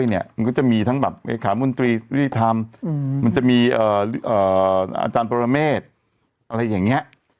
มันก็จะมีทั้งแบบเลขามนตรียุติธรรมมันจะมีอาจารย์ปรเมฆอะไรอย่างนี้